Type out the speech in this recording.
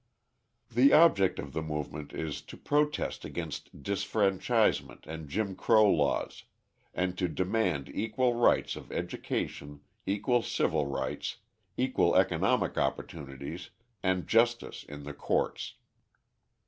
The object of the movement is to protest against disfranchisement and Jim Crow laws and to demand equal rights of education, equal civil rights, equal economic opportunities, and justice in the courts.